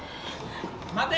待て！